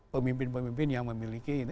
pemimpin pemimpin yang memiliki